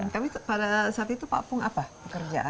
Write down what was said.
kami pada saat itu pak pung apa pekerjaan